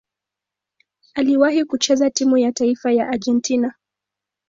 Aliwahi kucheza timu ya taifa ya Argentina.